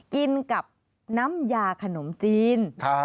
กินกับน้ำยาขนมจีน